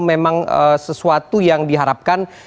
memang sesuatu yang diharapkan